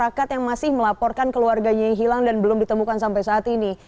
masyarakat yang masih melaporkan keluarganya yang hilang dan belum ditemukan sampai saat ini